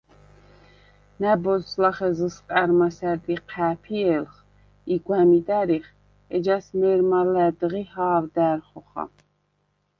ნა̈ბოზს ლახე ზჷსყა̈რ მასა̈რდ იჴა̄̈ფიე̄ლხ ი გვა̈მიდ ა̈რიხ, ეჯას მე̄რმა ლა̈დღი ჰა̄ვდა̈რ ხოხა.